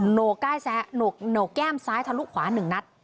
โหนกโหนกแก้มซ้ายทะลุขวา๑นัด